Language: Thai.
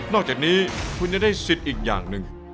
อกจากนี้คุณจะได้สิทธิ์อีกอย่างหนึ่ง